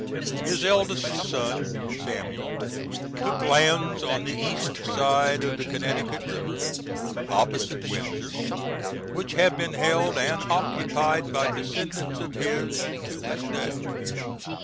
His eldest son, Samuel, took lands on the east side of the Connecticut River, opposite Windsor, which have been held and occupied by descendants of his to this day.